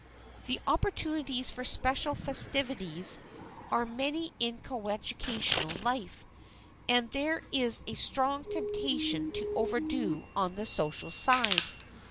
[Sidenote: CLASS FESTIVITIES] The opportunities for special festivities are many in coeducational life, and there is a strong temptation to overdo on the social side.